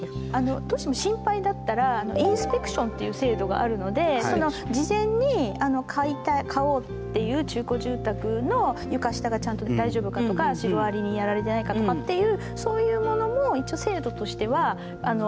どうしても心配だったらインスペクションっていう制度があるのでその事前に買おうっていう中古住宅の床下がちゃんと大丈夫かとかシロアリにやられてないかとかっていうそういうものも一応制度としてはあるんですね。